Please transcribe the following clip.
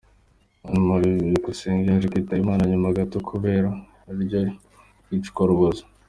Anne Marie Byukusenge yaje kwitaba Imana nyuma gato kubera iryo yicwarubozo.